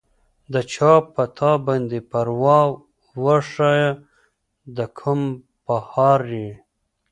د چا پۀ تا باندې پرواه، واښۀ د کوم پهاړ ئې